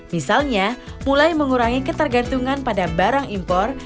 misalnya mulai mengurangi ketergantungan pada barang impor